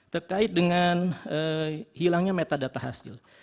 terkait dengan hilangnya metadata hasil